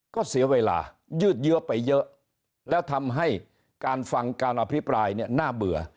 ก็เสียเวลายืดเยอะไปเยอะแล้วทำให้การฟังการอภิปรายเนี่ยน่าเบื่อ